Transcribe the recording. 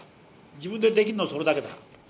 自分でできるのはそれだけだ。